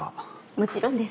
もちろんです。